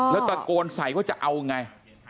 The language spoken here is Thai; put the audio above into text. และตะโกนใส่ก็จะเอาไง